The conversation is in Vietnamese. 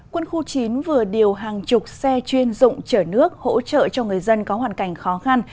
quân khu chín vừa điều hàng chục xe chuyên dụng chở nước hỗ trợ cho người dân có hoàn cảnh khó khăn